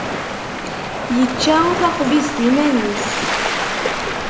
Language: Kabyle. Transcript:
Yečča taxbizt iman-is.